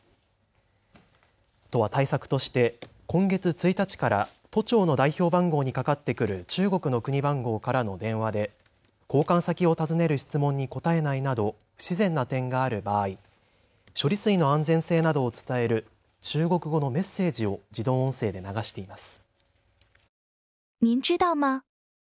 都は対策として今月１日から都庁の代表番号にかかってくる中国の国番号からの電話で交換先を尋ねる質問に答えないなど不自然な点がある場合、処理水の安全性などを伝える中国語のメッセージを自動音声で流しています。